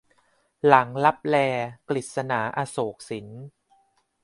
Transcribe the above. หลังลับแล - กฤษณา อโศกสิน